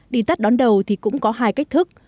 đi tắt đón đầu thì cũng có hai cách thức